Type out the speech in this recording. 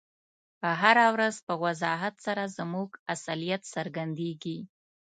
هره ورځ په وضاحت سره زموږ اصلیت څرګندیږي.